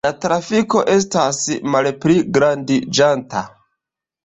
La trafiko estis malpligrandiĝanta.